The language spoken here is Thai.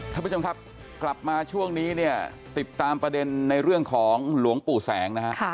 ท่านผู้ชมครับกลับมาช่วงนี้เนี่ยติดตามประเด็นในเรื่องของหลวงปู่แสงนะฮะ